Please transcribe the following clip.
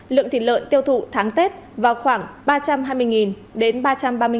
lượng thịt lợn tiêu thụ tháng tết vào khoảng ba trăm hai mươi đến ba trăm ba mươi đồng